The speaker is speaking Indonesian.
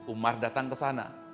umar datang ke sana